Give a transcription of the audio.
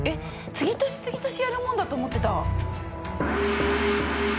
継ぎ足し継ぎ足しやるもんだと思ってた。